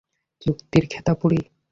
চুক্তির খেতা পুড়ি।